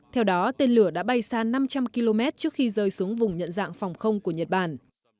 theo đó tên lửa đã bay xa năm trăm linh km trước khi rơi xuống vùng nhận dạng phòng không của nhật bản